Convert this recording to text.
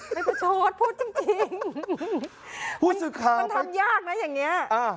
ไม่ประชดพูดจริงมันทำยากนะอย่างนี้